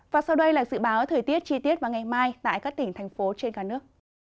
và sau đây là dự báo thời tiết chi tiết vào ngày mai tại các tỉnh thành phố trên cả nước